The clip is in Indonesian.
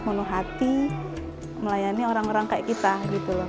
menu hati melayani orang orang kayak kita gitu loh